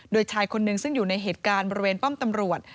โดยชายคนนึงซึ่งอยู่ในเหตุการณ์บริเวณป้อมตำรวจ